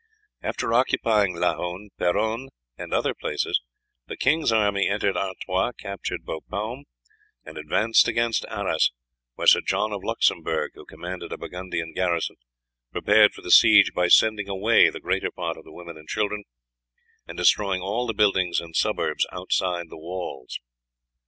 After occupying Laon, Peronne, and other places, the king's army entered Artois, captured Bapaume, and advanced against Arras, where Sir John of Luxemburg, who commanded a Burgundian garrison, prepared for the siege by sending away the greater part of the women and children, and destroying all the buildings and suburbs outside the walls.